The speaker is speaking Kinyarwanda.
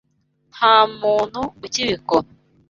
Nta muntu ukibikora.